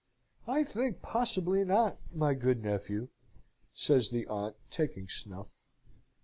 "I think possibly not, my good nephew," says the aunt, taking snuff.